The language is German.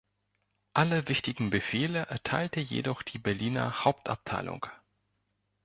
Alle wichtigen Befehle erteilte jedoch die "Berliner Hauptabteilung".